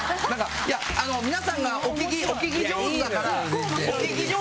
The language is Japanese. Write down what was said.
皆さんが、お聞き上手だから。